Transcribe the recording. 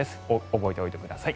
覚えておいてください。